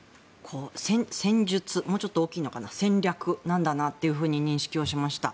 戦術もうちょっと大きいのかな戦略なのかなと認識しました。